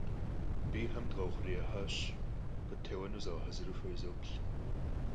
Бийхэм дыкъаухъуреихьащ, къыттеуэну загъэхьэзыру фэ изоплъ.